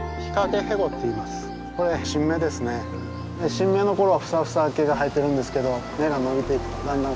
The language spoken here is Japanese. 新芽の頃はフサフサ毛が生えてるんですけど芽が伸びてだんだん